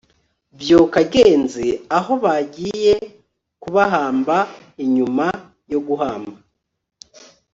vyokagenze……aho bagiye kubahamba……Inyuma yoguhamba